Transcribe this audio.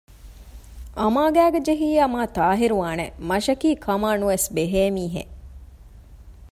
އަމާ ގައިގައި ޖެހިއްޔާ މާތާހިރުވާނެއެވެ! މަށަކީ ކަމާ ނުވެސް ބެހޭ މީހެއް